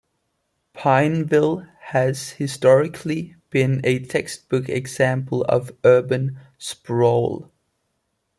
Pineville has, historically, been a textbook example of urban sprawl.